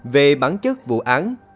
về bản chất vụ án